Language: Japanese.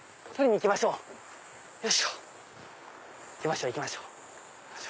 行きましょう行きましょう。